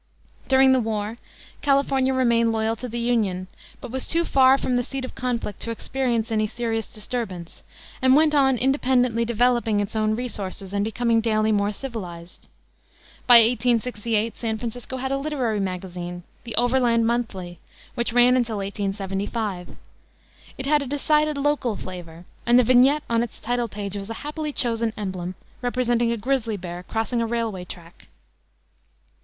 During the war California remained loyal to the Union, but was too far from the seat of conflict to experience any serious disturbance, and went on independently developing its own resources and becoming daily more civilized. By 1868 San Francisco had a literary magazine, the Overland Monthly, which ran until 1875. It had a decided local flavor, and the vignette on its title page was a happily chosen emblem, representing a grizzly bear crossing a railway track.